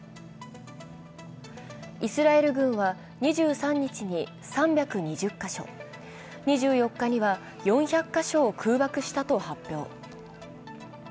イスラエル軍は２３日に３２０か所、２４日には４００か所を空爆したと発表。